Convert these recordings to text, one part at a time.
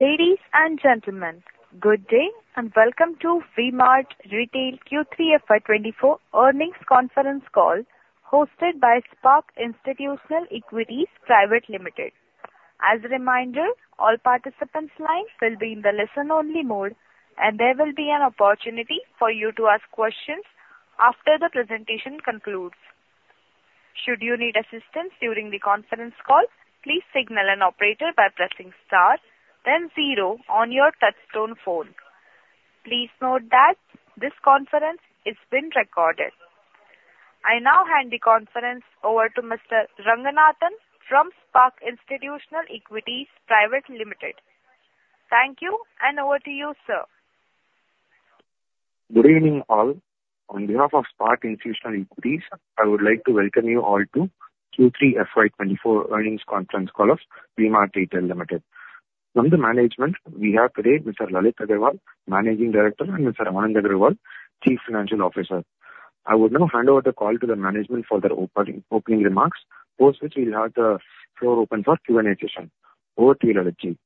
Ladies and gentlemen, good day, and welcome to V-Mart Retail Q3 FY24 earnings conference call, hosted by Spark Institutional Equities Private Limited. As a reminder, all participants' lines will be in the listen only mode, and there will be an opportunity for you to ask questions after the presentation concludes. Should you need assistance during the conference call, please signal an operator by pressing star then zero on your touchtone phone. Please note that this conference is being recorded. I now hand the conference over to Mr. Ranganathan from Spark Institutional Equities Private Limited. Thank you, and over to you, sir. Good evening, all. On behalf of Spark Institutional Equities, I would like to welcome you all to Q3 FY24 earnings conference call of V-Mart Retail Limited. From the management, we have today Mr. Lalit Agarwal, Managing Director, and Mr. Anand Agarwal, Chief Financial Officer. I would now hand over the call to the management for their opening remarks, post which we'll have the floor open for Q&A session. Over to you, Lalit.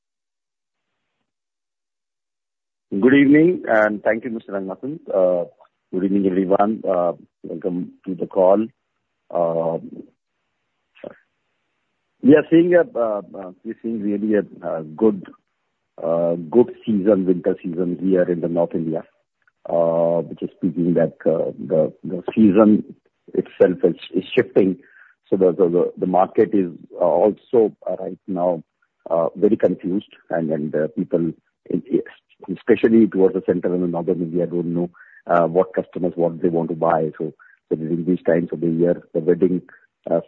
Good evening, and thank you, Mr. Ranganathan. Good evening, everyone. Welcome to the call. We are seeing really a good season, winter season here in North India, which is speaking that the season itself is shifting, so the market is also right now very confused, and then people, especially towards the central and northern India, don't know what customers, what they want to buy. So during these times of the year, the wedding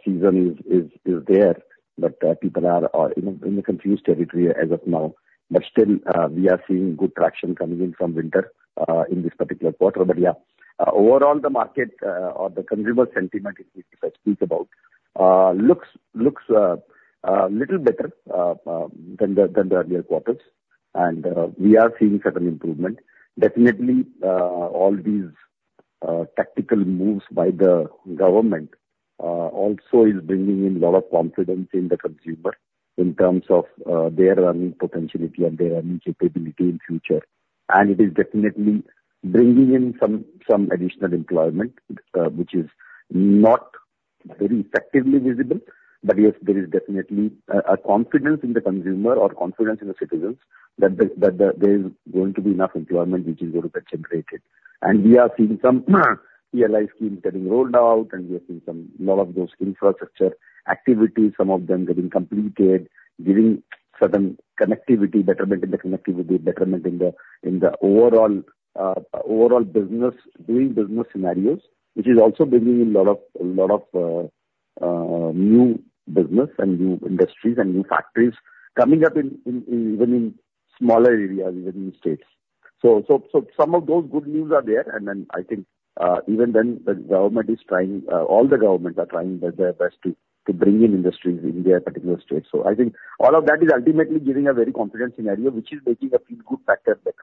season is there, but people are in a confused territory as of now. But still, we are seeing good traction coming in from winter in this particular quarter. But, yeah, overall, the market or the consumer sentiment, if I speak about, looks little better than the earlier quarters, and we are seeing certain improvement. Definitely, all these tactical moves by the government also is bringing in lot of confidence in the consumer in terms of their earning potentiality and their earning capability in future. And it is definitely bringing in some additional employment, which is not very effectively visible. But yes, there is definitely a confidence in the consumer or confidence in the citizens that the, there is going to be enough employment which is going to get generated. And we are seeing some PLI schemes getting rolled out, and we are seeing a lot of those infrastructure activities, some of them getting completed, giving certain connectivity, betterment in the connectivity, in the overall business doing business scenarios, which is also bringing in a lot of new business and new industries and new factories coming up in even smaller areas, even in states. So some of those good news are there, and then I think even then, the government is trying, all the governments are trying their best to bring in industries in their particular states. So I think all of that is ultimately giving a very confident scenario, which is making a feel good factor better.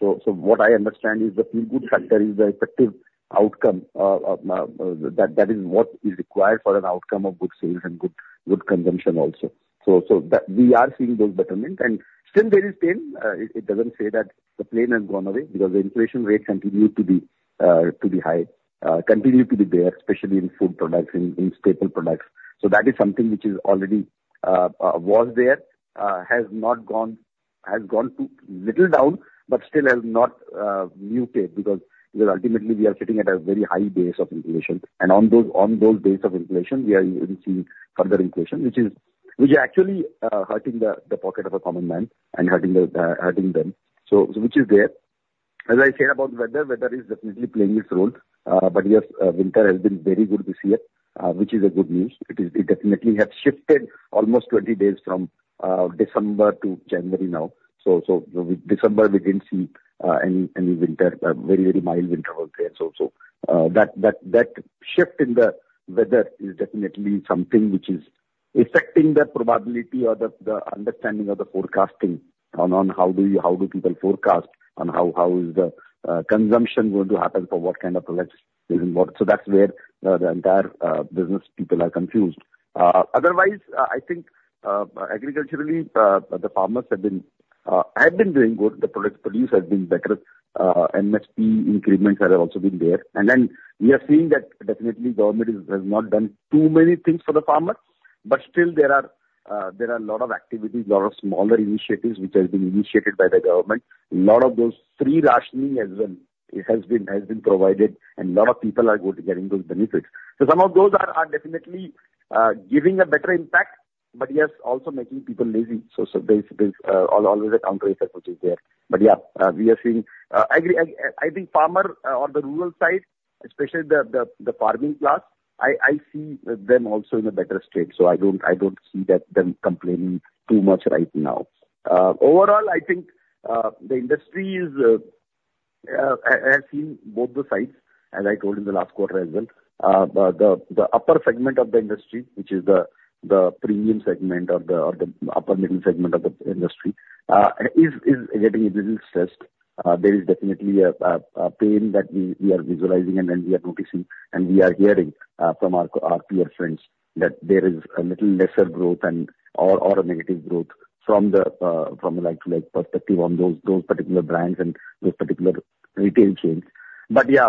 So what I understand is the feel good factor is the effective outcome of that is what is required for an outcome of good sales and good consumption also. So that we are seeing those betterment. And still there is pain. It doesn't say that the pain has gone away, because the inflation rate continue to be high, continue to be there, especially in food products, in staple products. So that is something which is already was there, has not gone... Has gone too little down, but still has not muted, because, because ultimately, we are sitting at a very high base of inflation, and on those, on those base of inflation, we are already seeing further inflation, which is, which is actually hurting the, the pocket of a common man and hurting the, hurting them. So, which is there. As I said about weather, weather is definitely playing its role. But yes, winter has been very good this year, which is a good news. It is, it definitely has shifted almost 20 days from December to January now. So, so December, we didn't see any, any winter, very, very mild winter out there. So, that shift in the weather is definitely something which is affecting the probability or the understanding of the forecasting on how people forecast and how the consumption is going to happen for what kind of products and what. So that's where the entire business people are confused. Otherwise, I think, agriculturally, the farmers have been doing good. The produce has been better. MSP improvements have also been there. And then we are seeing that definitely government has not done too many things for the farmers, but still there are a lot of activities, lot of smaller initiatives which has been initiated by the government. lot of those free rations as well; it has been provided, and a lot of people are getting those benefits. So some of those are definitely giving a better impact, but yes, also making people lazy. So there's always a counter effect which is there. But yeah, we are seeing. I agree. I think farmer or the rural side, especially the farming class, I see them also in a better state, so I don't see them complaining too much right now. Overall, I think the industry has seen both sides, as I told you in the last quarter as well. The upper segment of the industry, which is the premium segment or the upper middle segment of the industry, is getting a little stressed. There is definitely a pain that we are visualizing and then we are noticing, and we are hearing, from our peer friends, that there is a little lesser growth and or a negative growth from a like to like perspective on those particular brands and those particular retail chains. But yeah,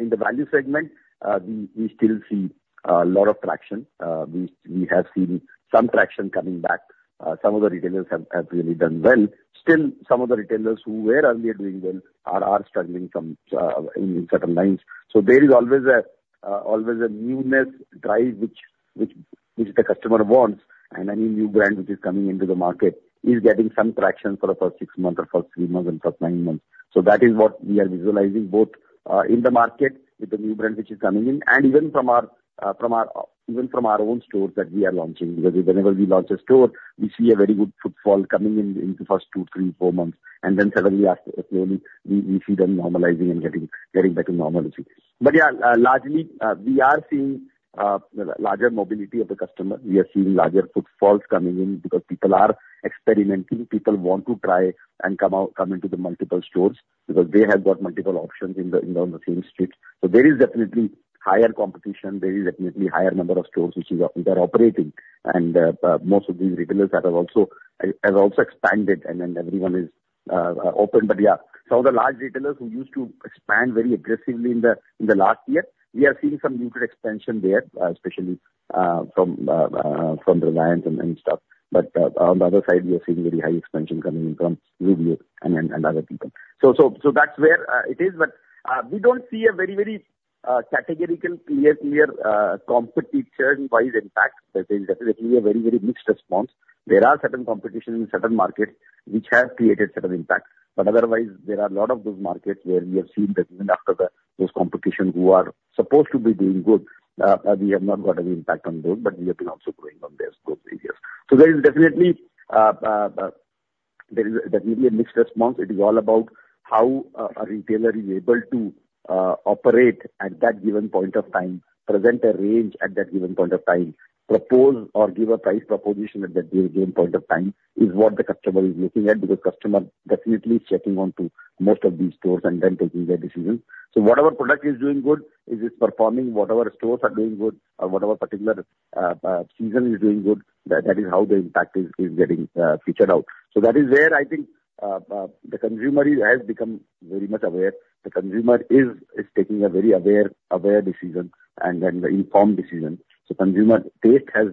in the value segment, we still see a lot of traction. We have seen some traction coming back. Some of the retailers have really done well. Still, some of the retailers who were earlier doing well are struggling some in certain lines. So there is always a newness drive which the customer wants, and any new brand which is coming into the market is getting some traction for the first six months or first three months and first nine months. So that is what we are visualizing, both in the market with the new brand which is coming in, and even from our own stores that we are launching. Because whenever we launch a store, we see a very good footfall coming in, in the first two, three, four months, and then suddenly, after a slowly, we see them normalizing and getting back to normalcy. But yeah, largely, we are seeing larger mobility of the customer. We are seeing larger footfalls coming in because people are experimenting, people want to try and come out, come into the multiple stores, because they have got multiple options in the same street. There is definitely higher competition. There is definitely higher number of stores which are operating. Most of these retailers that have also expanded, and then everyone is open. But yeah, some of the large retailers who used to expand very aggressively in the last year, we are seeing some muted expansion there, especially from Reliance and stuff. On the other side, we are seeing very high expansion coming in from Zudio and other people. So that's where it is. But, we don't see a very, very, categorical, clear, clear, competition-wise impact. There is definitely a very, very mixed response. There are certain competition in certain markets which have created certain impacts. But otherwise, there are a lot of those markets where we have seen that even after the, those competition who are supposed to be doing good, we have not got any impact on those, but we have been also growing on those growth areas. So there is definitely, there is definitely a mixed response. It is all about how a retailer is able to operate at that given point of time, present a range at that given point of time, propose or give a price proposition at that given point of time, is what the customer is looking at, because customer definitely is checking on to most of these stores and then taking their decision. So whatever product is doing good, is it performing? Whatever stores are doing good or whatever particular season is doing good, that, that is how the impact is getting featured out. So that is where I think the consumer is, has become very much aware. The consumer is, is taking a very aware, aware decision, and then the informed decision. So consumer taste has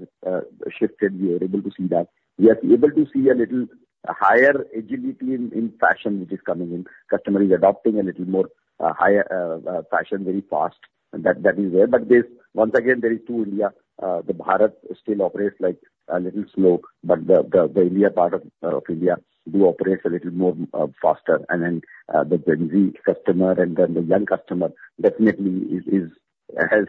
shifted, we are able to see that. We are able to see a little higher agility in fashion, which is coming in. Customer is adopting a little more higher fashion very fast, and that is there. But there's... Once again, there is two India. The Bharat still operates, like, a little slow, but the India part of India operates a little more faster. And then the Gen Z customer and the young customer definitely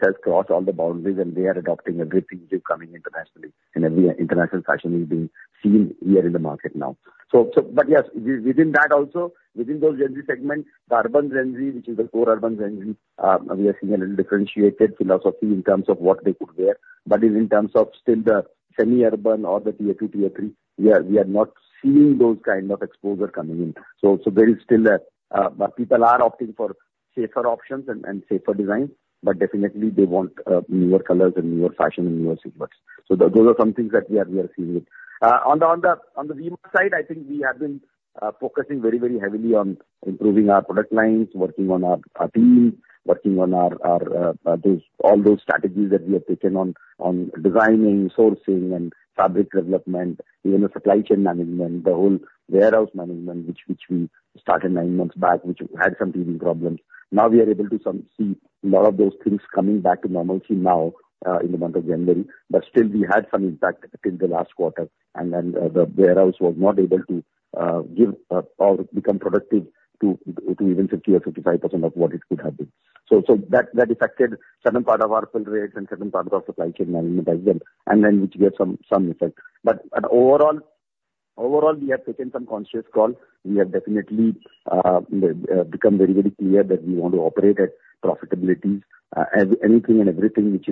has crossed all the boundaries, and they are adopting everything which is coming internationally. And every international fashion is being seen here in the market now. So but yes, within that also, within those Gen Z segments, the urban Gen Z, which is the core urban Gen Z, we are seeing a little differentiated philosophy in terms of what they could wear. But in terms of still the semi-urban or the 2, Tier 3, we are not seeing those kind of exposure coming in. So there is still a but people are opting for safer options and safer designs, but definitely they want newer colors and newer fashion and newer silhouettes. So those are some things that we are seeing. On the V-Mart side, I think we have been focusing very heavily on improving our product lines, working on our team, working on all those strategies that we have taken on designing, sourcing, and fabric development, even the supply chain management, the whole warehouse management, which we started nine months back, which had some teething problems. Now we are able to see a lot of those things coming back to normalcy now, in the month of January. But still, we had some impact in the last quarter, and then, the warehouse was not able to give or become productive to even 50 or 55% of what it could have been. So that affected certain part of our fill rates and certain part of our supply chain management as well, and which gave some effect. But overall, we have taken some conscious call. We have definitely become very, very clear that we want to operate at profitability. As anything and everything which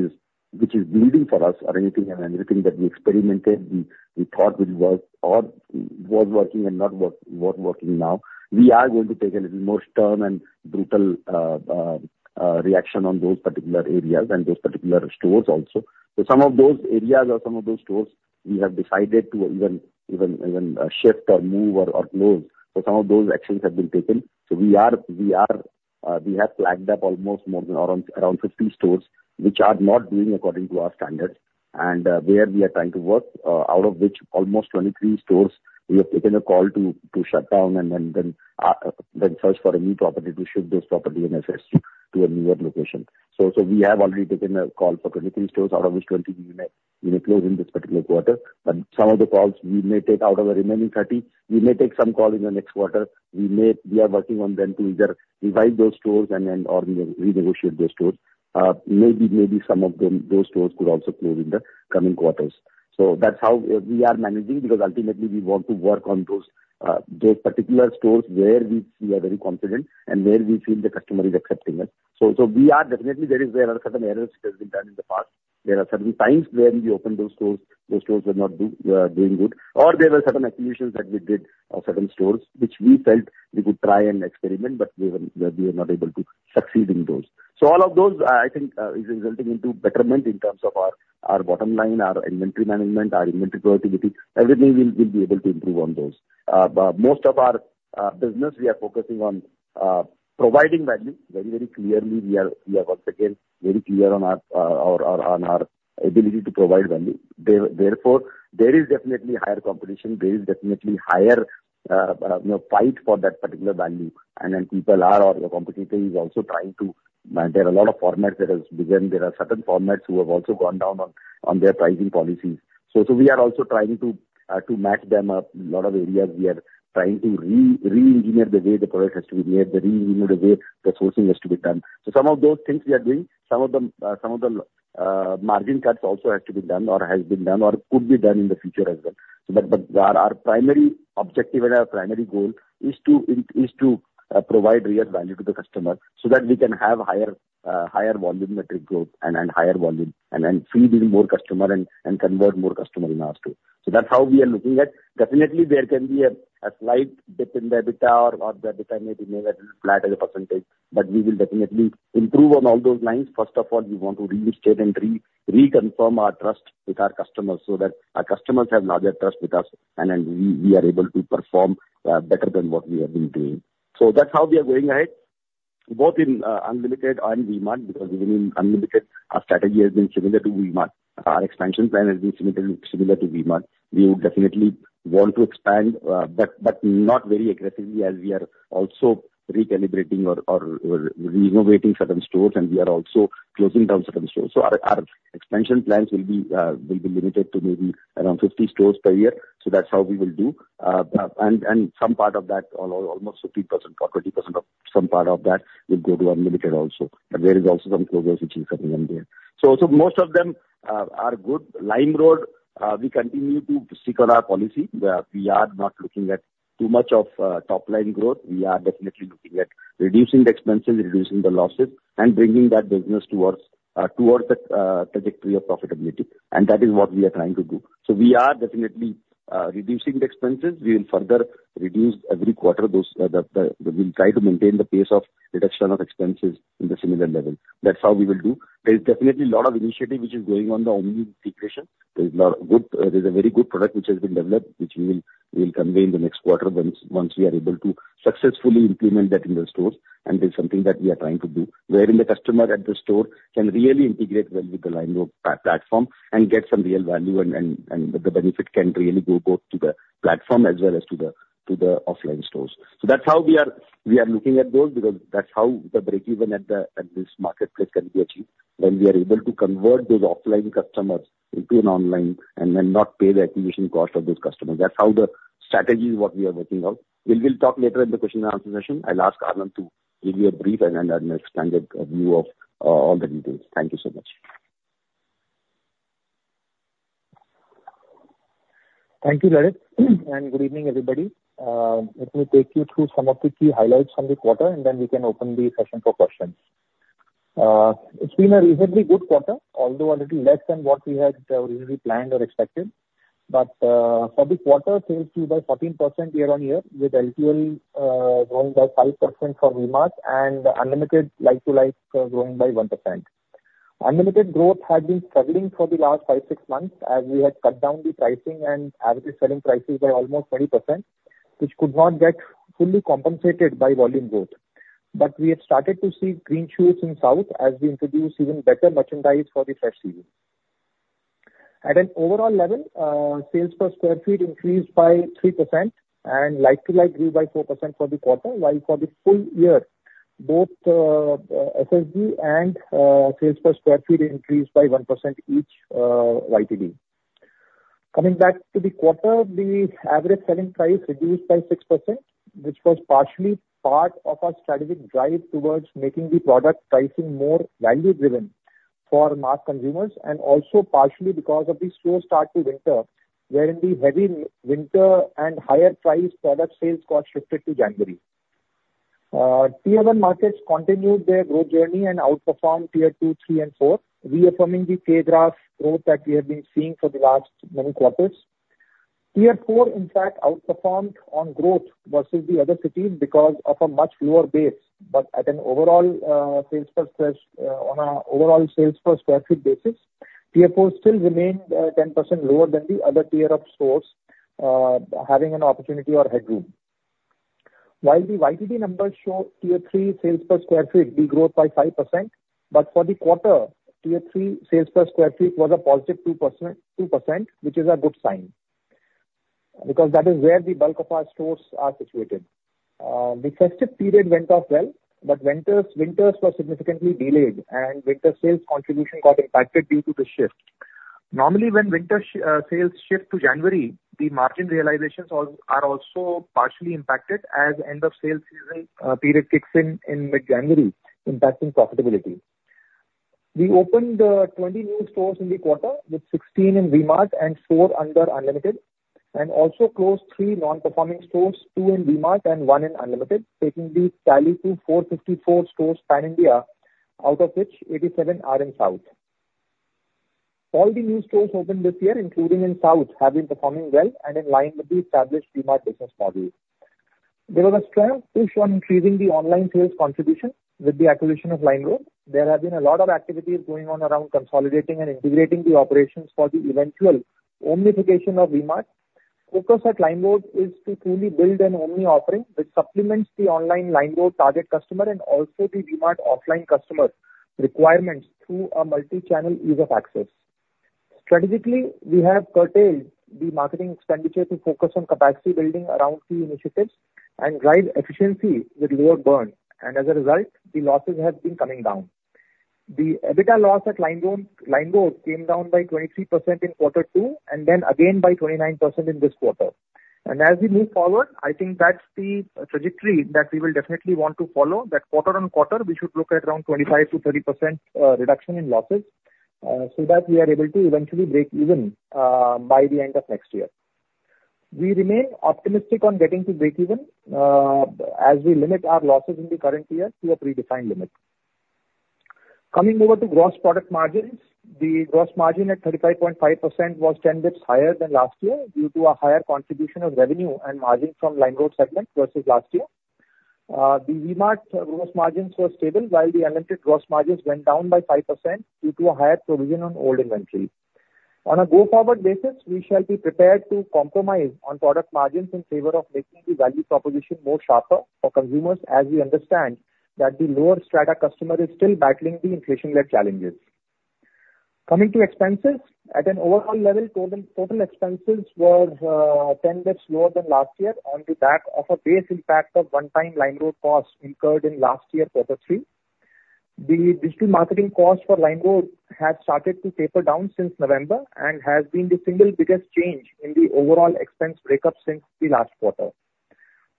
is building for us or anything and everything that we experimented, we thought which worked or was working and not working now, we are going to take a little more stern and brutal reaction on those particular areas and those particular stores also. So some of those areas or some of those stores, we have decided to even shift or move or close. So some of those actions have been taken. So we have flagged up almost more than around 50 stores, which are not doing according to our standards. Where we are trying to work, out of which almost 23 stores, we have taken a call to shut down and then search for a new property, to shift those property and assets to a newer location. So we have already taken a call for 23 stores, out of which 20 we may close in this particular quarter. But some of the calls we may take out of the remaining 30, we may take some call in the next quarter. We may. We are working on them to either revise those stores and then or renegotiate those stores. Maybe some of them, those stores could also close in the coming quarters. So that's how we are managing, because ultimately we want to work on those, those particular stores where we, we are very confident and where we feel the customer is accepting us. So, so we are definitely there is, there are certain errors which has been done in the past. There are certain times where we opened those stores, those stores were not doing good, or there were certain acquisitions that we did, certain stores, which we felt we could try and experiment, but we were, we were not able to succeed in those. So all of those, I think, is resulting into betterment in terms of our, our bottom line, our inventory management, our inventory productivity. Everything we will, we'll be able to improve on those. But most of our, business, we are focusing on providing value very, very clearly. We are once again very clear on our ability to provide value. Therefore, there is definitely higher competition, there is definitely higher, you know, fight for that particular value. And then people are or the competitor is also trying to— There are a lot of formats that has begun. There are certain formats who have also gone down on their pricing policies. So we are also trying to match them up. A lot of areas we are trying to re-engineer the way the product has to be made, re-engineer the way the sourcing has to be done. So some of those things we are doing, some of the margin cuts also has to be done or has been done or could be done in the future as well. But our primary objective and our primary goal is to provide real value to the customer so that we can have higher volume metric growth and higher volume, and then feed in more customer and convert more customer in our store. So that's how we are looking at. Definitely, there can be a slight dip in the EBITDA, or the EBITDA may be a little flat as a percentage, but we will definitely improve on all those lines. First of all, we want to restate and reconfirm our trust with our customers, so that our customers have larger trust with us and then we are able to perform better than what we have been doing. So that's how we are going ahead, both in Unlimited and V-Mart, because even in Unlimited, our strategy has been similar to V-Mart. Our expansion plan has been similar to V-Mart. We would definitely want to expand, but not very aggressively as we are also recalibrating or renovating certain stores, and we are also closing down certain stores. So our expansion plans will be limited to maybe around 50 stores per year, so that's how we will do. And some part of that, almost 50% or 40% of some part of that will go to Unlimited also, but there is also some closures which is happening there. So most of them are good. LimeRoad, we continue to stick on our policy, where we are not looking at too much of top-line growth. We are definitely looking at reducing the expenses, reducing the losses, and bringing that business towards the trajectory of profitability, and that is what we are trying to do. So we are definitely reducing the expenses. We will further reduce every quarter those. We'll try to maintain the pace of reduction of expenses in the similar level. That's how we will do. There is definitely a lot of initiative which is going on the omni situation. There's a lot of good. There's a very good product which has been developed, which we will convey in the next quarter, once we are able to successfully implement that in the stores, and that's something that we are trying to do, wherein the customer at the store can really integrate well with the LimeRoad platform and get some real value, and the benefit can really go both to the platform as well as to the offline stores. So that's how we are looking at those, because that's how the break even at this marketplace can be achieved, when we are able to convert those offline customers into an online and then not pay the acquisition cost of those customers. That's how the strategy is, what we are working on. We will talk later in the question and answer session. I'll ask Anand to give you a brief and an expanded view of all the details. Thank you so much. Thank you, Lalit. Good evening, everybody. Let me take you through some of the key highlights from the quarter, and then we can open the session for questions. It's been a reasonably good quarter, although a little less than what we had originally planned or expected. But for this quarter, sales grew by 14% year-on-year, with LTL growing by 5% from V-Mart and Unlimited like-to-like growing by 1%. Unlimited growth had been struggling for the last five to six months, as we had cut down the pricing and average selling prices by almost 20%, which could not get fully compensated by volume growth. But we have started to see green shoots in South as we introduce even better merchandise for the fresh season. At an overall level, sales per sq ft increased by 3% and like-to-like grew by 4% for the quarter, while for the full year, both SSG and sales per sq ft increased by 1% each YTD. Coming back to the quarter, the average selling price reduced by 6%, which was partially part of our strategic drive towards making the product pricing more value-driven for mass consumers, and also partially because of the slow start to winter, wherein the heavy winter and higher priced product sales got shifted to January. Tier 1 markets continued their growth journey and outperformed Tier 2, 3, and 4, reaffirming the K graph growth that we have been seeing for the last many quarters. Tier 4, in fact, outperformed on growth versus the other cities because of a much lower base. But on an overall sales per sq ft basis, Tier 4 still remained 10% lower than the other tier of stores, having an opportunity or headroom. While the YTD numbers show Tier 3 sales per sq ft de-growth by 5%, but for the quarter, Tier 3 sales per sq ft was a positive 2%, 2%, which is a good sign, because that is where the bulk of our stores are situated. The festive period went off well, but winters were significantly delayed, and winter sales contribution got impacted due to the shift. Normally, when winter sales shift to January, the margin realizations also are partially impacted as end of sales season period kicks in in mid-January, impacting profitability. We opened 20 new stores in the quarter, with 16 in V-Mart and four under Unlimited, and also closed three non-performing stores, two in V-Mart and one in Unlimited, taking the tally to 454 stores pan-India, out of which 87 are in South. All the new stores opened this year, including in South, have been performing well and in line with the established V-Mart business model. There was a strong push on increasing the online sales contribution with the acquisition of LimeRoad. There have been a lot of activities going on around consolidating and integrating the operations for the eventual omnification of V-Mart. Focus at LimeRoad is to truly build an Omni offering that supplements the online LimeRoad target customer and also the V-Mart offline customer requirements through a multi-channel ease of access. Strategically, we have curtailed the marketing expenditure to focus on capacity building around key initiatives and drive efficiency with lower burn, and as a result, the losses have been coming down. The EBITDA loss at LimeRoad, LimeRoad came down by 23% in quarter two, and then again by 29% in this quarter. And as we move forward, I think that's the trajectory that we will definitely want to follow, that quarter-over-quarter, we should look at around 25%-30% reduction in losses, so that we are able to eventually break even, by the end of next year. We remain optimistic on getting to breakeven, as we limit our losses in the current year to a predefined limit. Coming over to gross product margins, the gross margin at 35.5% was 10 basis points higher than last year due to a higher contribution of revenue and margin from LimeRoad segment versus last year. The V-Mart gross margins were stable, while the Unlimited gross margins went down by 5% due to a higher provision on old inventory. On a go-forward basis, we shall be prepared to compromise on product margins in favor of making the value proposition more sharper for consumers, as we understand that the lower strata customer is still battling the inflation-led challenges. Coming to expenses, at an overall level, total expenses was 10 basis points lower than last year on the back of a base impact of one-time LimeRoad costs incurred in last year, quarter three. The digital marketing cost for LimeRoad has started to taper down since November and has been the single biggest change in the overall expense breakup since the last quarter.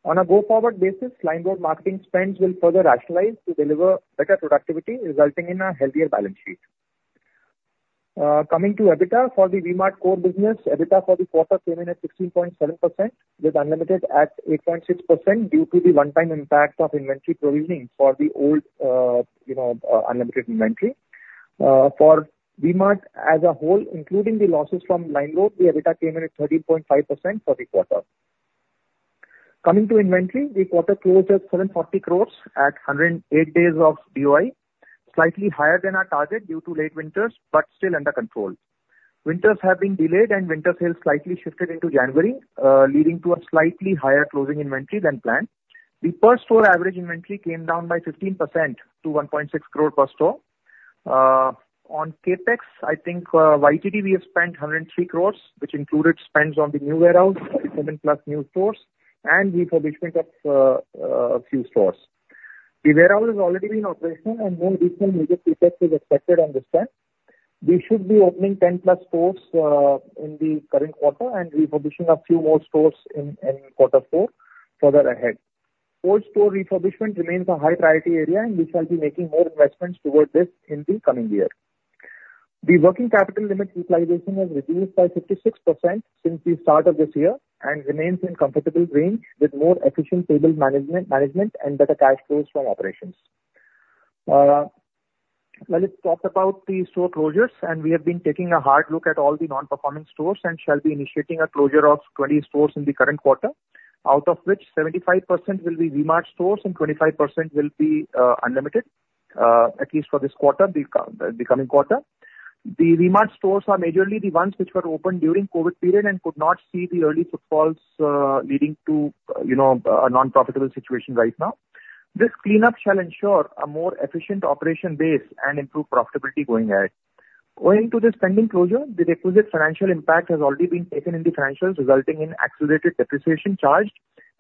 On a go-forward basis, LimeRoad marketing spends will further rationalize to deliver better productivity, resulting in a healthier balance sheet. Coming to EBITDA for the V-Mart core business, EBITDA for the quarter came in at 16.7%, with Unlimited at 8.6% due to the one-time impact of inventory provisioning for the old, uh, you know, Unlimited inventory. For V-Mart as a whole, including the losses from LimeRoad, the EBITDA came in at 13.5% for the quarter. Coming to inventory, the quarter closed at 740 crores at 108 days of DOI, slightly higher than our target due to late winters, but still under control. Winters have been delayed and winter sales slightly shifted into January, leading to a slightly higher closing inventory than planned. The per store average inventory came down by 15% to 1.6 crore per store. On CapEx, I think, YTD, we have spent 103 crore, which included spends on the new warehouse, 7+ new stores, and refurbishment of a few stores. The warehouse has already been operational, and no recent major CapEx is expected on this front. We should be opening 10+ stores in the current quarter and refurbishing a few more stores in quarter four, further ahead. Old store refurbishment remains a high priority area, and we shall be making more investments towards this in the coming year. The working capital limit utilization has reduced by 56% since the start of this year and remains in comfortable range with more efficient stable management and better cash flows from operations. Lalit talked about the store closures, and we have been taking a hard look at all the non-performing stores and shall be initiating a closure of 20 stores in the current quarter, out of which 75% will be V-Mart stores and 25% will be Unlimited, at least for this quarter, the coming quarter. The V-Mart stores are majorly the ones which were opened during COVID period and could not see the early footfalls, leading to, you know, a non-profitable situation right now. This cleanup shall ensure a more efficient operation base and improve profitability going ahead. Owing to this pending closure, the requisite financial impact has already been taken in the financials, resulting in accelerated depreciation charged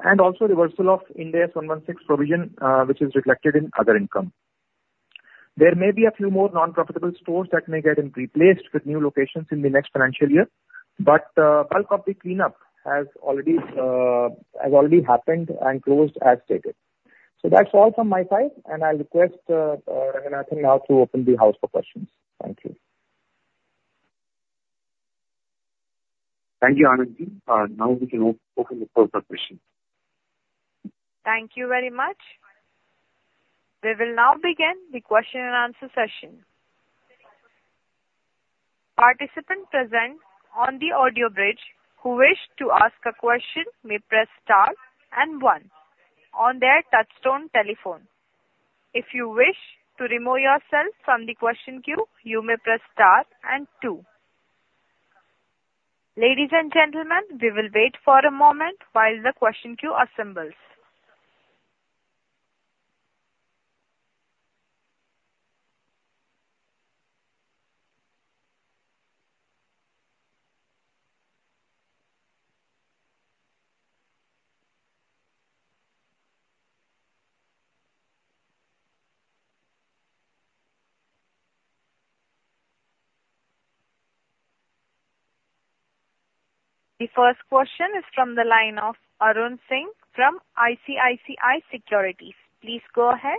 and also reversal of Ind AS 116 provision, which is reflected in other income. There may be a few more non-profitable stores that may get replaced with new locations in the next financial year, but, bulk of the cleanup has already, has already happened and closed as stated. So that's all from my side, and I request, Ranganathan now to open the house for questions. Thank you. Thank you, Anand. Now we can open the floor for questions. Thank you very much. We will now begin the question and answer session. Participants present on the audio bridge who wish to ask a question may press star and one on their touchtone telephone. If you wish to remove yourself from the question queue, you may press star and two. Ladies and gentlemen, we will wait for a moment while the question queue assembles. The first question is from the line of Varun Singh from ICICI Securities. Please go ahead.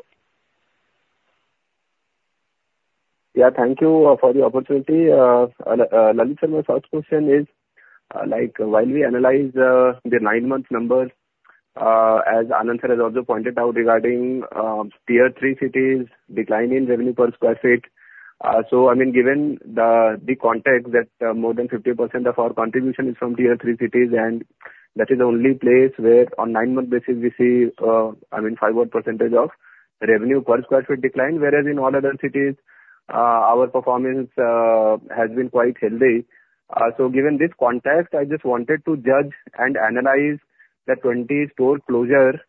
Yeah, thank you for the opportunity. Lalit sir, my first question is, like, while we analyze the nine-month numbers, as Anand sir has also pointed out regarding Tier 3 cities declining revenue per sq ft. So I mean, given the context that more than 50% of our contribution is from Tier 3 cities. That is the only place where on nine-month basis we see, I mean, 5 odd % of revenue per sq ft decline, whereas in all other cities our performance has been quite healthy. So given this context, I just wanted to judge and analyze the 20 store closure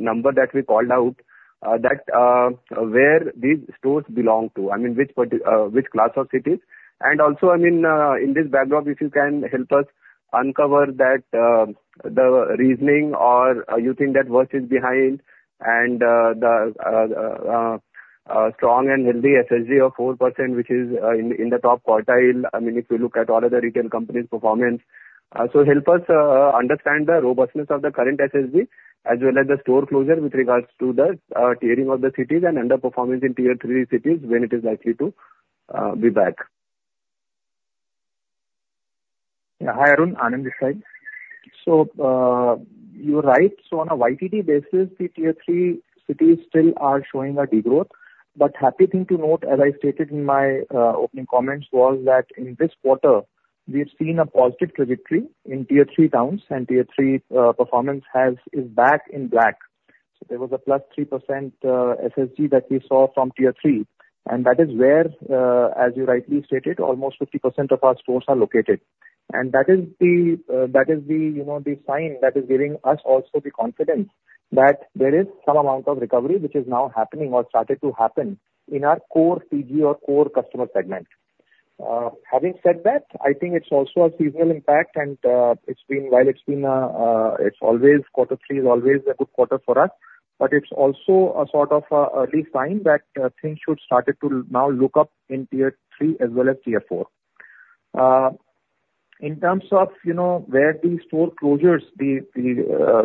number that we called out, that where these stores belong to, I mean, which class of cities. And also, I mean, in this backdrop, if you can help us uncover that, the reasoning or you think that what is behind and, the, strong and healthy SSG of 4%, which is, in, in the top quartile, I mean, if you look at all other retail companies' performance. So help us, understand the robustness of the current SSG, as well as the store closure with regards to the, tiering of the cities and underperformance in Tier 3 cities, when it is likely to, be back. Yeah. Hi, Varun. Anand this side. So, you're right. So on a YTD basis, the Tier 3 cities still are showing a degrowth. But happy thing to note, as I stated in my opening comments, was that in this quarter we've seen a positive trajectory in Tier 3 towns, and Tier 3 performance has, is back in black. So there was a +3%, SSG that we saw from Tier 3, and that is where, as you rightly stated, almost 50% of our stores are located. And that is the, that is the, you know, the sign that is giving us also the confidence that there is some amount of recovery which is now happening or started to happen in our core CG or core customer segment. Having said that, I think it's also a seasonal impact, and it's been while it's always quarter three is always a good quarter for us, but it's also a sort of a early sign that things should started to now look up in Tier 3 as well as Tier 4. In terms of, you know, where the store closures, the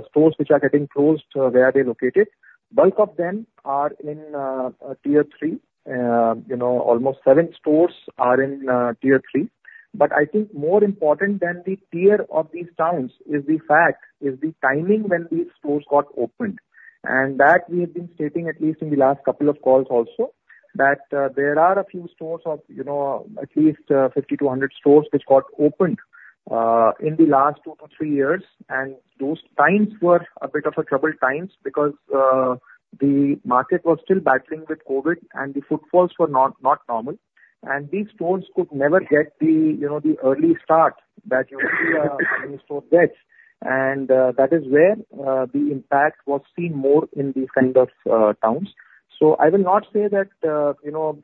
stores which are getting closed, where are they located? Bulk of them are in Tier 3. You know, almost seven stores are in Tier 3. But I think more important than the tier of these towns is the fact, is the timing when these stores got opened, and that we have been stating, at least in the last couple of calls also, that there are a few stores of, you know, at least 50-100 stores which got opened in the last two to three years. And those times were a bit of a troubled times because the market was still battling with COVID and the footfalls were not normal. And these stores could never get the, you know, the early start that any store gets. And that is where the impact was seen more in these kind of towns. So I will not say that, you know,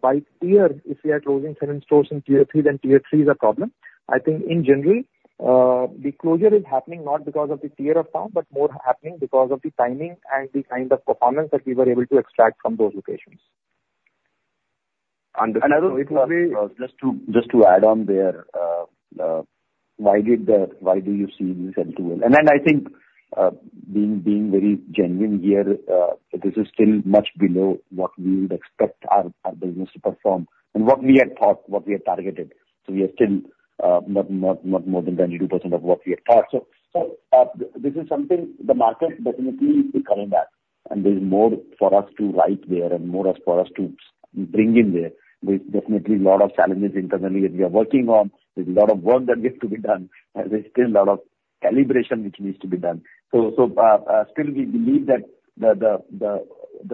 by tier, if we are closing seven stores in Tier 3, then Tier 3 is a problem. I think in general, the closure is happening not because of the tier of town, but more happening because of the timing and the kind of performance that we were able to extract from those locations. Understood. Just to add on there, why do you see this LTL? And then I think, being very genuine here, this is still much below what we would expect our business to perform and what we had thought, what we had targeted. So we are still not more than 22% of what we had thought. So this is something the market definitely is coming back, and there's more for us to right there and more as for us to bring in there. There's definitely a lot of challenges internally that we are working on. There's a lot of work that needs to be done, and there's still a lot of calibration which needs to be done. So still, we believe that the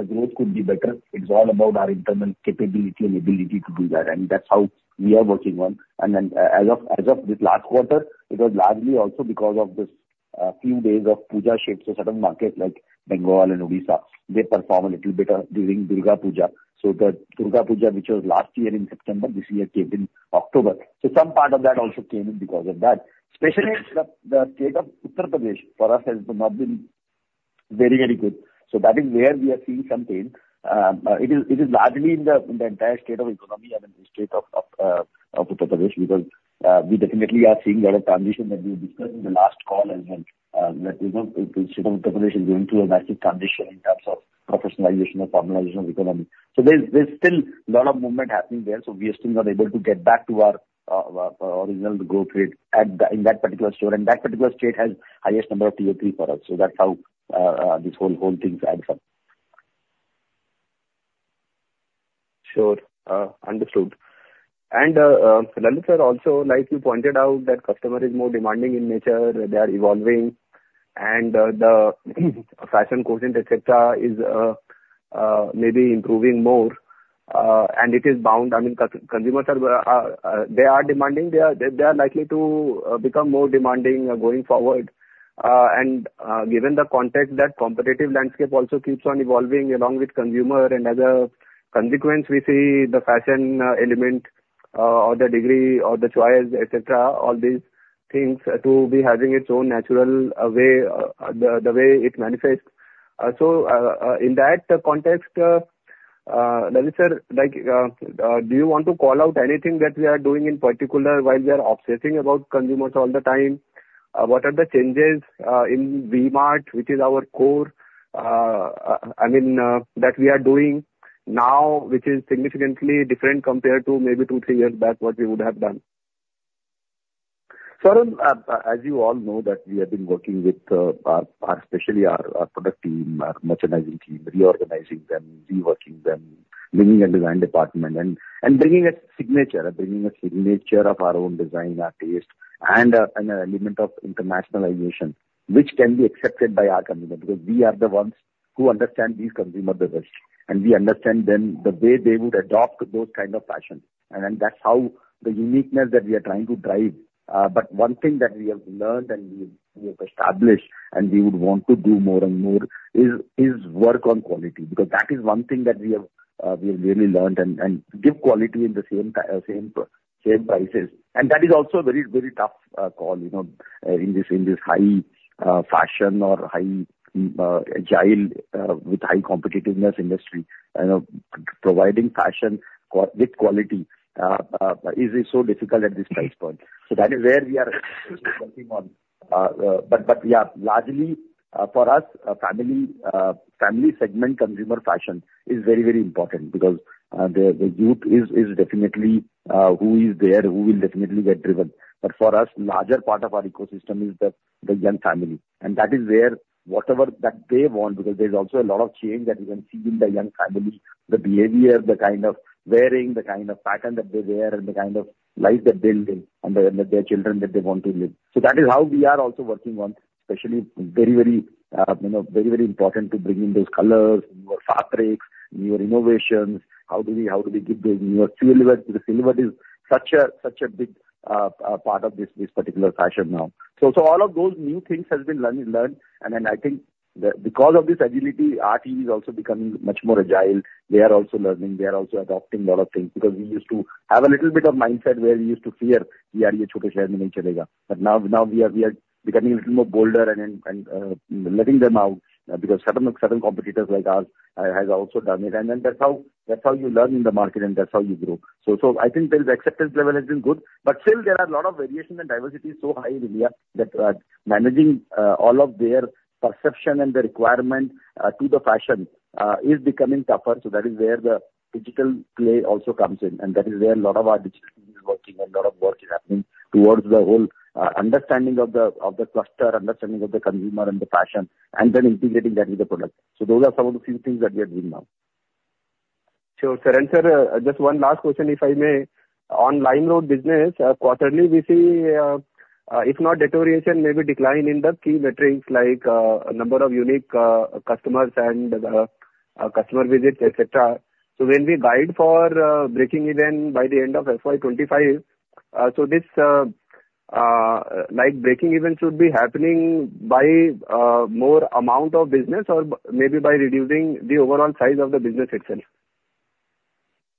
growth could be better. It's all about our internal capability and ability to do that, and that's how we are working on. And then as of this last quarter, it was largely also because of this few days of Puja sales of certain markets like Bengal and Odisha. They perform a little better during Durga Puja. So the Durga Puja, which was last year in September, this year came in October. So some part of that also came in because of that. Especially the state of Uttar Pradesh for us has not been very, very good. So that is where we are seeing some pain. It is largely in the entire state of economy and in the state of Uttar Pradesh, because we definitely are seeing a lot of transition that we discussed in the last call, and then that, you know, the state of Uttar Pradesh is going through a massive transition in terms of professionalization or formalization of economy. So there's still a lot of movement happening there, so we are still not able to get back to our original growth rate in that particular store. And that particular state has highest number of Tier 3 for us. So that's how this whole thing adds up. Sure, understood. And, Lalit sir, also, like you pointed out, that customer is more demanding in nature, they are evolving, and the fashion quotient, et cetera, is maybe improving more, and it is bound. I mean, consumers are demanding, they are likely to become more demanding going forward. And, given the context that competitive landscape also keeps on evolving along with consumer, and as a consequence, we see the fashion element or the degree or the choice, et cetera, all these things to be having its own natural way, the way it manifests. So, in that context, Lalit sir, like, do you want to call out anything that we are doing in particular, while we are obsessing about consumers all the time? What are the changes, in V-Mart, which is our core, I mean, that we are doing now, which is significantly different compared to maybe two, three years back, what we would have done? Sure. As you all know, that we have been working with, our, especially our, our product team, our merchandising team, reorganizing them, reworking them, bringing a design department and, and bringing a signature, bringing a signature of our own design, our taste, and, an element of internationalization, which can be accepted by our consumer, because we are the ones who understand these consumer the best, and we understand them, the way they would adopt those kind of fashion. And then that's how the uniqueness that we are trying to drive. But one thing that we have learned and we, we have established, and we would want to do more and more, is, is work on quality. Because that is one thing that we have, we have really learned, and, and give quality in the same time, same price, same prices. That is also a very, very tough call, you know, in this high fashion or high agile with high competitiveness industry. You know, providing fashion with quality is so difficult at this price point. That is where we are working on. But, yeah, largely, for us, family segment consumer fashion is very, very important because the youth is definitely who is there, who will definitely get driven. But for us, the larger part of our ecosystem is the young family, and that is where whatever that they want, because there's also a lot of change that you can see in the young family, the behavior, the kind of wearing, the kind of pattern that they wear, and the kind of life they're building, and their children that they want to live. So that is how we are also working on, especially very, very, you know, very, very important to bring in those colors, newer fabrics, newer innovations. How do we give the newer silhouette? The silhouette is such a big part of this particular fashion now. So all of those new things has been learned, and then I think because of this agility, our team is also becoming much more agile. They are also learning, they are also adopting a lot of things. Because we used to have a little bit of mindset where we used to fear, "Yahan pe chote scale mein nahi chalega." But now, now we are, we are becoming a little more bolder and then, and, letting them out, because certain, certain competitors like us, has also done it. And then that's how, that's how you learn in the market, and that's how you grow. So, so I think the acceptance level has been good, but still there are a lot of variation and diversity is so high in India that, managing, all of their perception and the requirement, to the fashion, is becoming tougher. So that is where the digital play also comes in, and that is where a lot of our digital team is working and lot of work is happening towards the whole, understanding of the cluster, understanding of the consumer and the fashion, and then integrating that with the product. So those are some of the few things that we are doing now. Sure, Sir. And, Sir, just one last question, if I may. On LimeRoad business, quarterly, we see, if not deterioration, maybe decline in the key metrics, like, number of unique, customers and, customer visits, et cetera. So when we guide for, breaking even by the end of FY 25, so this, like, breaking even should be happening by, more amount of business or maybe by reducing the overall size of the business itself?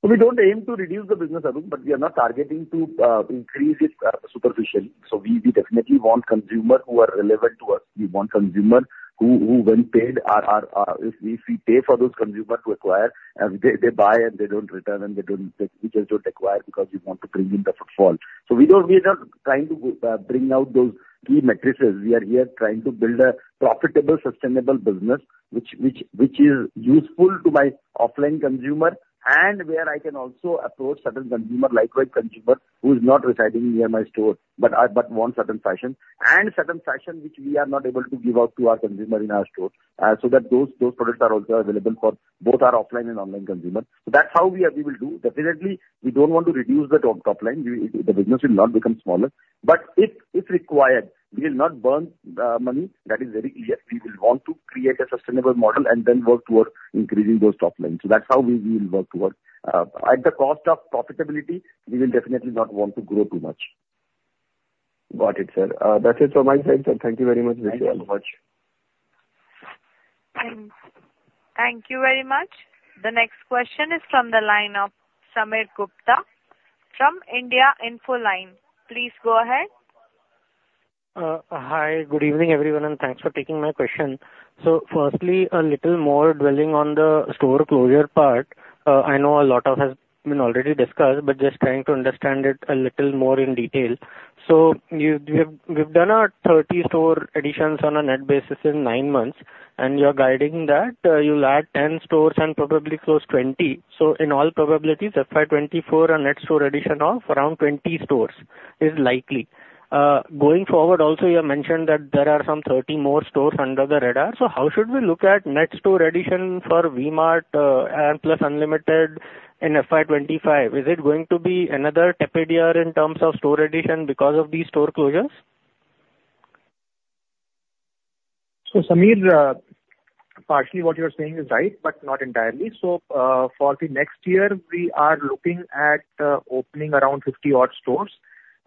So we don't aim to reduce the business, Warun, but we are not targeting to increase it superficially. So we definitely want consumer who are relevant to us. We want consumer who, when paid, are... If we pay for those consumer to acquire, they buy, and they don't return, and they don't, we just don't acquire because we want to bring in the footfall. So we're not trying to bring out those key metrics. We are here trying to build a profitable, sustainable business which is useful to my offline consumer, and where I can also approach certain consumer, likewise consumer, who is not residing near my store, but want certain fashion. Certain fashion which we are not able to give out to our consumer in our store, so that those products are also available for both our offline and online consumer. So that's how we are, we will do. Definitely, we don't want to reduce the top line. We, the business will not become smaller, but if required, we will not burn money. That is very clear. We will want to create a sustainable model and then work towards increasing those top line. So that's how we will work towards. At the cost of profitability, we will definitely not want to grow too much. Got it, Sir. That's it from my side, Sir. Thank you very much. Thank you very much. Thank you very much. The next question is from the line of Sameer Gupta from India Infoline. Please go ahead. Hi, good evening, everyone, and thanks for taking my question. So firstly, a little more dwelling on the store closure part. I know a lot has been already discussed, but just trying to understand it a little more in detail. So you, we've, we've done a 30 store additions on a net basis in nine months, and you're guiding that, you'll add 10 stores and probably close 20. So in all probabilities, FY 2024, a net store addition of around 20 stores is likely. Going forward, also, you have mentioned that there are some 30 more stores under the radar. So how should we look at net store addition for V-Mart and Unlimited in FY 2025? Is it going to be another tapered in terms of store addition because of these store closures? So, Samir, partially what you're saying is right, but not entirely. So, for the next year, we are looking at opening around 50 stores,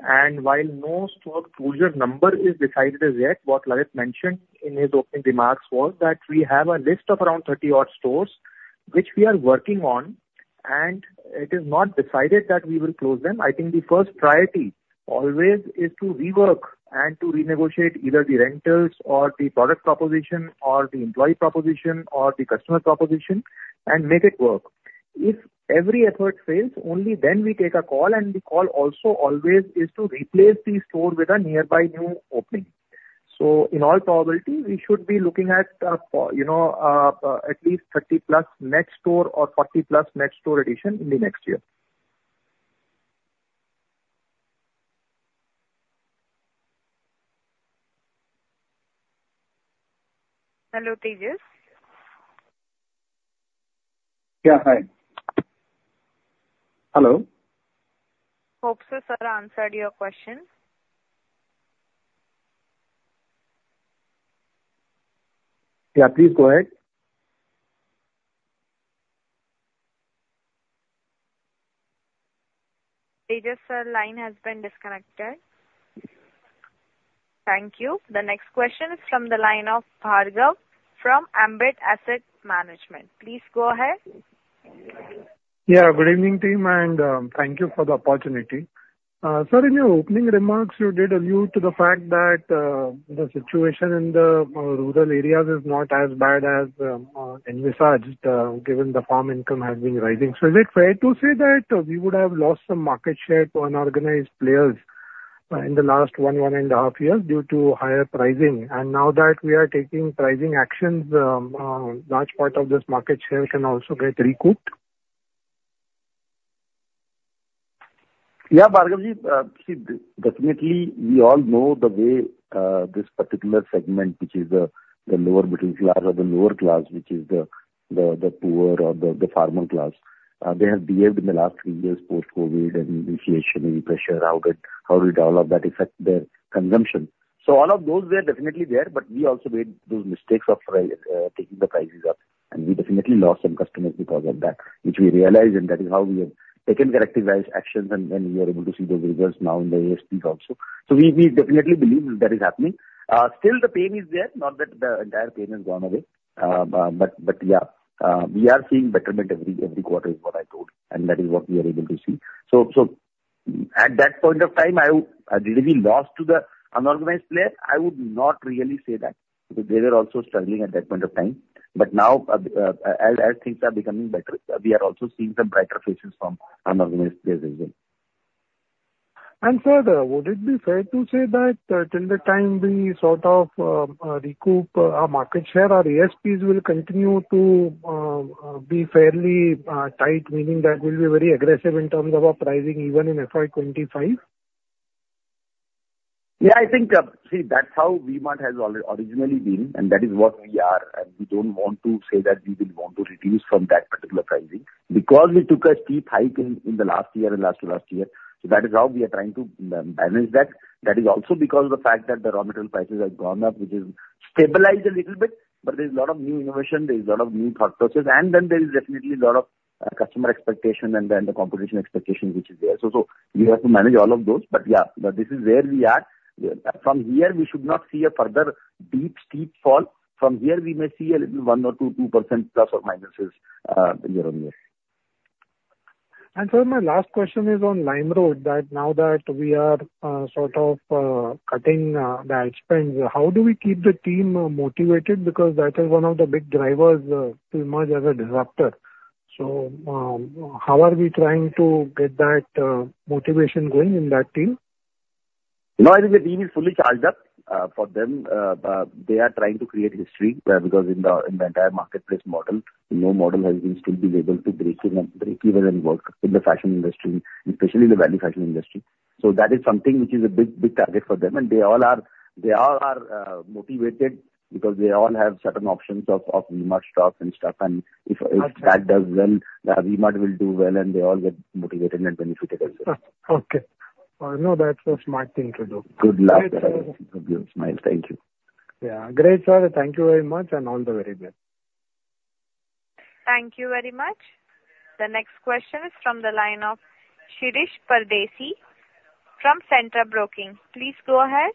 and while no store closure number is decided as yet, what Lalit mentioned in his opening remarks was that we have a list of around 30 stores which we are working on, and it is not decided that we will close them. I think the first priority always is to rework and to renegotiate either the rentals or the product proposition or the employee proposition or the customer proposition, and make it work. If every effort fails, only then we take a call, and the call also always is to replace the store with a nearby new opening. So in all probability, we should be looking at, you know, at least 30+ net store or 40+ net store addition in the next year.... Hello, Tejas? Yeah, hi. Hello? Hope sir answered your questions. Yeah, please go ahead. Tejas, sir, line has been disconnected. Thank you. The next question is from the line of Bhargav from Ambit Asset Management. Please go ahead. Yeah, good evening team, and, thank you for the opportunity. Sir, in your opening remarks, you did allude to the fact that the situation in the rural areas is not as bad as envisaged, given the farm income has been rising. So is it fair to say that we would have lost some market share to unorganized players in the last 1.5 years due to higher pricing? And now that we are taking pricing actions, large part of this market share can also get recouped? Yeah, Bhargav, see, definitely we all know the way this particular segment, which is the lower middle class or the lower class, which is the poor or the farmer class. They have behaved in the last three years post-COVID and inflation and pressure, how did all of that affect their consumption? So all of those were definitely there, but we also made those mistakes of taking the prices up, and we definitely lost some customers because of that, which we realized, and that is how we have taken corrective actions, and we are able to see the results now in the ASPs also. So we definitely believe that is happening. Still the pain is there, not that the entire pain has gone away. But yeah, we are seeing betterment every quarter is what I thought, and that is what we are able to see. So at that point of time, did we lose to the unorganized player? I would not really say that. Because they were also struggling at that point of time, but now, as things are becoming better, we are also seeing some brighter faces from unorganized players as well. Sir, would it be fair to say that till the time we sort of recoup our market share, our ASPs will continue to be fairly tight, meaning that we'll be very aggressive in terms of our pricing even in FY 25? Yeah, I think, see, that's how V-Mart has originally been, and that is what we are. And we don't want to say that we will want to reduce from that particular pricing. Because we took a steep hike in the last year and last to last year, so that is how we are trying to balance that. That is also because of the fact that the raw material prices have gone up, which is stabilized a little bit, but there's a lot of new innovation, there is a lot of new processes, and then there is definitely a lot of customer expectation and then the competition expectation, which is there. So we have to manage all of those. But yeah, but this is where we are. From here, we should not see a further deep, steep fall. From here, we may see a little 1 or 2, 2% plus or minus, year-on-year. Sir, my last question is on LimeRoad, that now that we are sort of cutting the ad spends, how do we keep the team motivated? Because that is one of the big drivers to V-Mart as a disruptor. So, how are we trying to get that motivation going in that team? No, I think the team is fully charged up. For them, they are trying to create history, because in the entire marketplace model, no model has still been able to break in and break even and work in the fashion industry, especially the value fashion industry. So that is something which is a big, big target for them, and they all are motivated because they all have certain options of V-Mart stock and stuff. And if- Okay. - If that does well, V-Mart will do well, and they all get motivated and benefited as well. Okay. No, that's a smart thing to do. Good luck. Great, sir. Thank you, Smile. Thank you. Yeah. Great, sir. Thank you very much, and all the very best. Thank you very much. The next question is from the line of Shirish Pardesi from Centrum Broking. Please go ahead.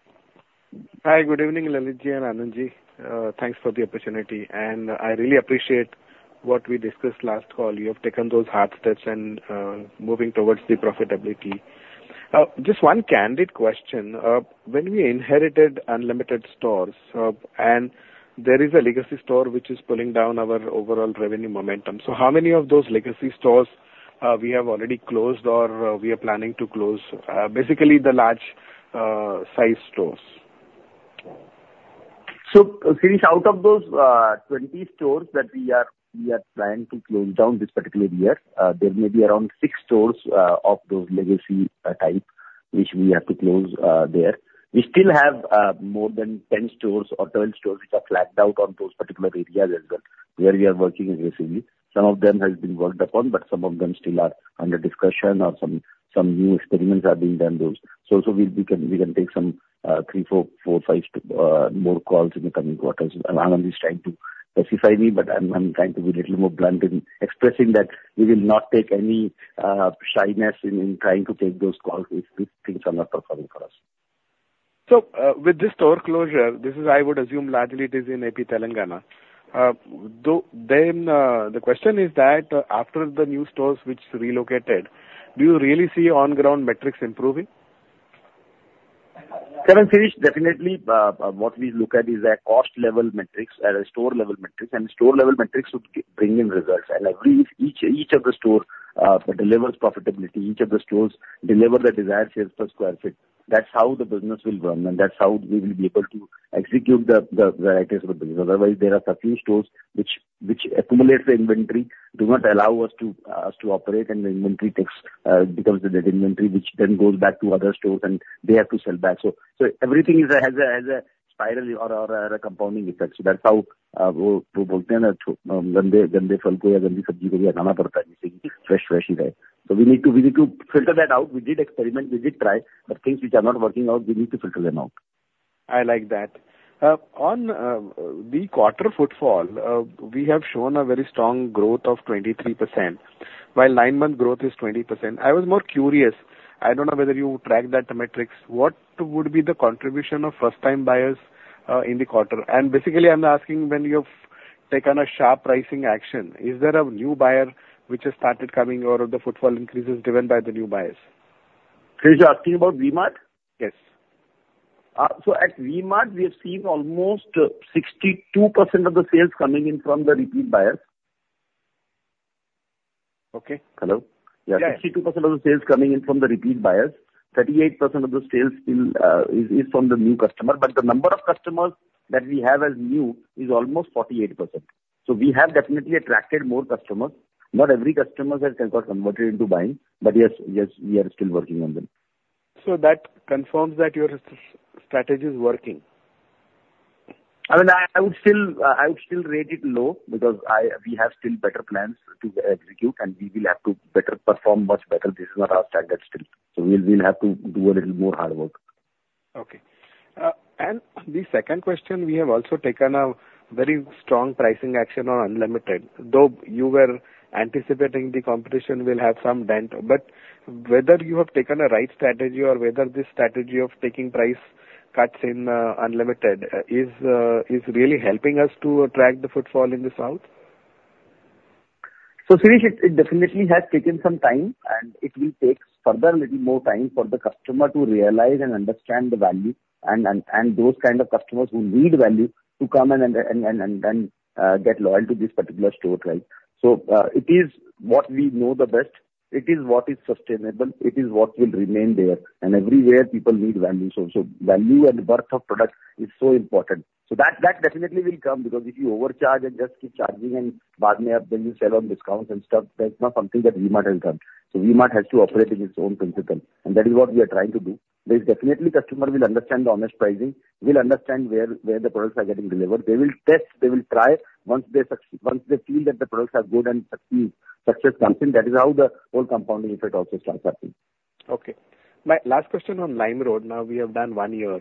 Hi, good evening, Lalit and Anand. Thanks for the opportunity, and I really appreciate what we discussed last call. You have taken those hard steps and moving towards the profitability. Just one candid question. When we inherited Unlimited stores, and there is a legacy store which is pulling down our overall revenue momentum. So how many of those legacy stores we have already closed or we are planning to close? Basically, the large size stores. So Shirish, out of those 20 stores that we are planning to close down this particular year, there may be around 6 stores of those legacy type which we have to close there. We still have more than 10 stores or 12 stores which are flagged out on those particular areas as well, where we are working aggressively. Some of them has been worked upon, but some of them still are under discussion or some new experiments are being done those. So we can take some three, four, five more calls in the coming quarters. Anand is trying to specify me, but I'm trying to be a little more blunt in expressing that we will not take any shyness in trying to take those calls, if things are not performing for us. So, with this store closure, this is I would assume largely it is in AP, Telangana. Though, then, the question is that after the new stores which relocated, do you really see on-ground metrics improving? Currently, Shirish, definitely, what we look at is cost level metrics and store level metrics, and store level metrics would bring in results. And each of the store delivers profitability. Each of the stores deliver the desired sales per sq ft. That's how the business will run, and that's how we will be able to execute the ideas of the business. Otherwise, there are a few stores which accumulates the inventory, do not allow us to operate, and the inventory becomes the dead inventory, which then goes back to other stores, and they have to sell back. So everything has a spiral or a compounding effect. So that's how we need to filter that out. We did experiment, we did try, but things which are not working out, we need to filter them out. I like that. On the quarter footfall, we have shown a very strong growth of 23%, while nine-month growth is 20%. I was more curious, I don't know whether you tracked that metrics. What would be the contribution of first-time buyers in the quarter? And basically, I'm asking, when you've taken a sharp pricing action, is there a new buyer which has started coming or the footfall increase is driven by the new buyers? Sir, you're asking about V-Mart? Yes. At V-Mart, we have seen almost 62% of the sales coming in from the repeat buyers. Okay. Hello? Yes. Yeah, 62% of the sales coming in from the repeat buyers. 38% of the sales still is from the new customer, but the number of customers that we have as new is almost 48%. So we have definitely attracted more customers. Not every customer has converted into buying, but yes, yes, we are still working on them. So that confirms that your strategy is working? I mean, I would still rate it low because we have still better plans to execute, and we will have to better perform much better. This is not our standard still, so we'll have to do a little more hard work. Okay. And the second question, we have also taken a very strong pricing action on Unlimited, though you were anticipating the competition will have some dent, but whether you have taken a right strategy or whether this strategy of taking price cuts in Unlimited is really helping us to attract the footfall in the south? So, Shirish, it definitely has taken some time, and it will take further little more time for the customer to realize and understand the value, and those kind of customers who need value to come and get loyal to this particular store type. So, it is what we know the best. It is what is sustainable. It is what will remain there. And everywhere people need value, so value and worth of product is so important. So that definitely will come because if you overcharge and just keep charging and then you sell on discounts and stuff, that's not something that V-Mart will done. So V-Mart has to operate in its own principle, and that is what we are trying to do. There is definitely customer will understand the honest pricing, will understand where, where the products are getting delivered. They will test, they will try. Once they feel that the products are good and succeed, success comes in, that is how the whole compounding effect also starts happening. Okay. My last question on LimeRoad, now, we have done one year,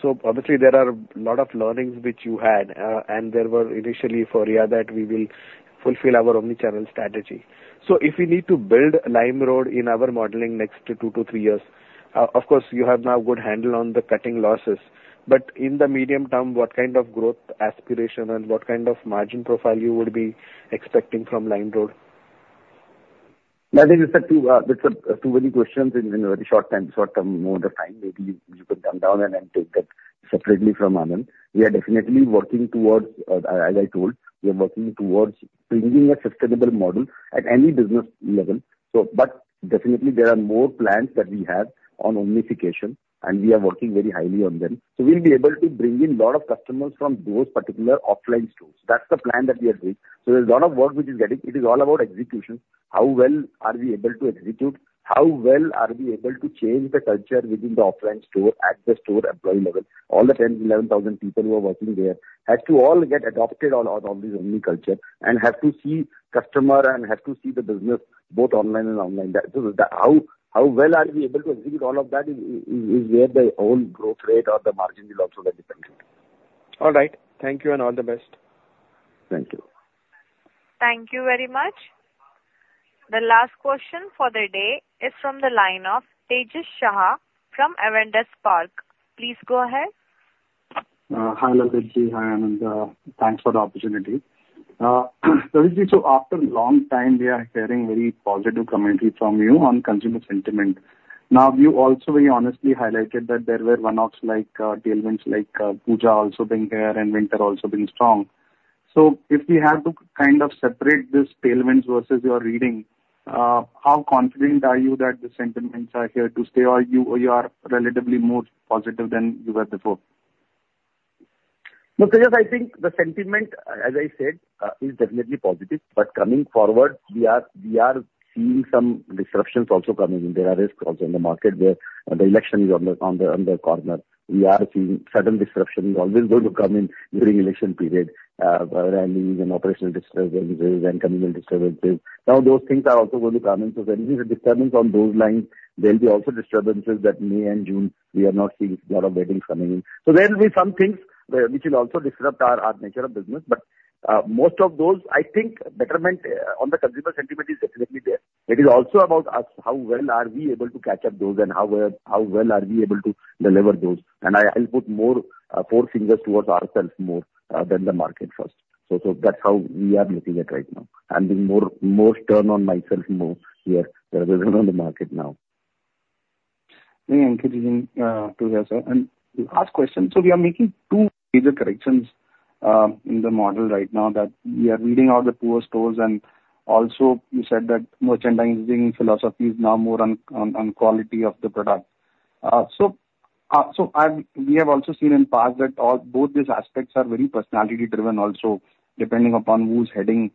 so obviously there are a lot of learnings which you had, and there were initially for yeah, that we will fulfill our omni-channel strategy. So if we need to build LimeRoad in our modeling next two to three years, of course, you have now good handle on the cutting losses. But in the medium term, what kind of growth aspiration and what kind of margin profile you would be expecting from LimeRoad? I think it's a two, that's too many questions in, in a very short time, short term mode of time. Maybe you put them down and then take that separately from Anand. We are definitely working towards, as I told, we are working towards bringing a sustainable model at any business level, so but definitely there are more plans that we have on omnification, and we are working very highly on them. So we'll be able to bring in lot of customers from those particular offline stores. That's the plan that we are doing. So there's a lot of work which is getting. It is all about execution. How well are we able to execute? How well are we able to change the culture within the offline store at the store employee level? All the 10,000-11,000 people who are working there has to all get adopted on this omni-channel and have to see customer and have to see the business both online and offline. That, how well we are able to execute all of that is where the whole growth rate or the margin will also get affected. All right. Thank you and all the best. Thank you. Thank you very much. The last question for the day is from the line of Tejas Shah from Avendus Spark. Please go ahead. Hi, Lalit. Hi, Anand. Thanks for the opportunity. Lalit, so after long time, we are hearing very positive commentary from you on consumer sentiment. Now, you also very honestly highlighted that there were one-offs like tailwinds, like Puja also being there and winter also being strong. So if we have to kind of separate this tailwinds versus your reading, how confident are you that the sentiments are here to stay or you are relatively more positive than you were before? Look, Tejas, I think the sentiment, as I said, is definitely positive. But coming forward, we are, we are seeing some disruptions also coming in. There are risks also in the market where the election is on the, on the corner. We are seeing certain disruptions always going to come in during election period, rallies and operational disturbances and communal disturbances. Now, those things are also going to come in. So when there's a disturbance on those lines, there'll be also disturbances that May and June, we are not seeing a lot of weddings coming in. So there will be some things which will also disrupt our, our nature of business, but, most of those, I think betterment on the consumer sentiment is definitely there. It is also about us, how well are we able to catch up those, and how well, how well are we able to deliver those? And I, I'll put more, four fingers towards ourselves more, than the market first. So, so that's how we are looking at right now. I'm being more, more stern on myself more here rather than on the market now. Very encouraging to hear, sir. The last question, so we are making two major corrections in the model right now, that we are weeding all the poor stores and also you said that merchandising philosophy is now more on quality of the product. So we have also seen in the past that both these aspects are very personality driven also, depending upon who's heading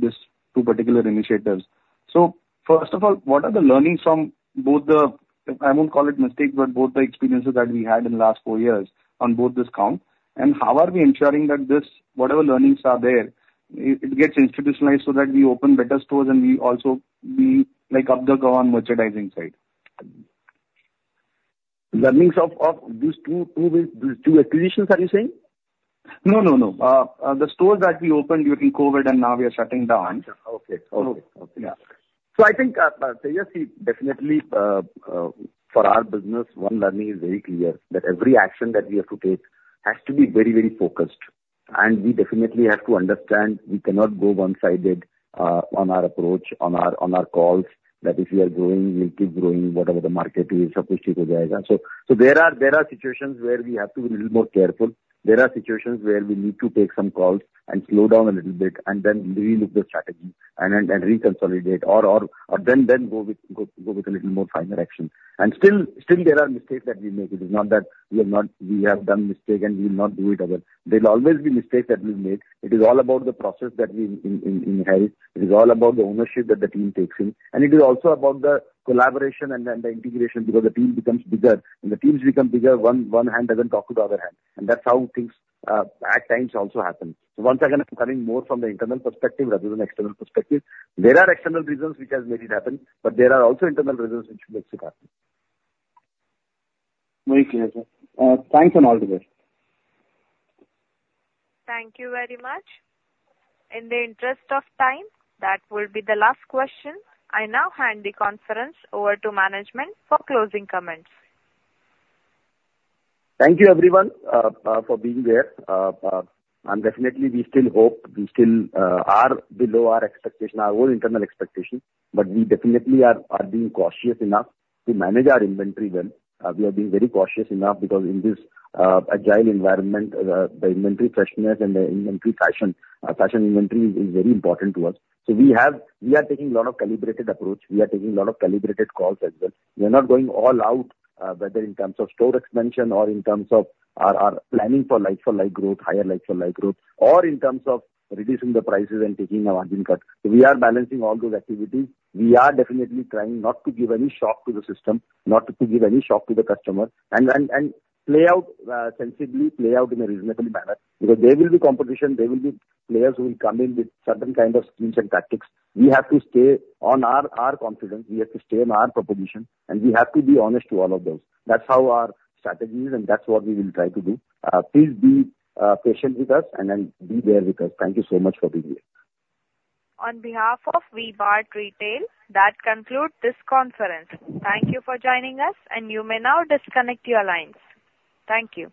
these two particular initiatives. So first of all, what are the learnings from both the—I won't call it mistakes, but both the experiences that we had in the last four years on both these counts? And how are we ensuring that this, whatever learnings are there, it gets institutionalized so that we open better stores and we also line up the assortment on merchandising side? Learnings of these two acquisitions, are you saying? No, no, no. The stores that we opened during COVID and now we are shutting down. Okay. Okay. Okay. Yeah. So I think, yes, we definitely, for our business, one learning is very clear, that every action that we have to take has to be very, very focused. And we definitely have to understand we cannot go one-sided, on our approach, on our calls, that if we are growing, we'll keep growing whatever the market is, supposed to go there. And so there are situations where we have to be a little more careful. There are situations where we need to take some calls and slow down a little bit and then re-look the strategy and then reconsolidate or then go with a little more finer action. And still there are mistakes that we make. It is not that we have not—we have done mistake and we will not do it again. There will always be mistakes that we make. It is all about the process that we inherit. It is all about the ownership that the team takes in. And it is also about the collaboration and the integration, because the team becomes bigger, when the teams become bigger, one hand doesn't talk to the other hand, and that's how things at times also happen. So once again, I'm coming more from the internal perspective rather than external perspective. There are external reasons which has made it happen, but there are also internal reasons which makes it happen. Very clear, sir. Thanks and all the best. Thank you very much. In the interest of time, that will be the last question. I now hand the conference over to management for closing comments. Thank you, everyone, for being there. Definitely we still hope, we still are below our expectation, our own internal expectation, but we definitely are being cautious enough to manage our inventory well. We are being very cautious enough because in this agile environment, the inventory freshness and the inventory fashion, fashion inventory is very important to us. So we are taking a lot of calibrated approach. We are taking a lot of calibrated calls as well. We are not going all out, whether in terms of store expansion or in terms of our planning for like-for-like growth, higher like-for-like growth, or in terms of reducing the prices and taking a margin cut. We are balancing all those activities. We are definitely trying not to give any shock to the system, not to give any shock to the customer, and play out sensibly, play out in a reasonable manner, because there will be competition, there will be players who will come in with certain kind of schemes and tactics. We have to stay on our confidence, we have to stay on our proposition, and we have to be honest to all of those. That's how our strategy is, and that's what we will try to do. Please be patient with us and then be there with us. Thank you so much for being here. On behalf of V-Mart Retail, that concludes this conference. Thank you for joining us, and you may now disconnect your lines. Thank you.